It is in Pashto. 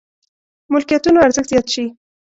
ملکيتونو ارزښت زيات شي.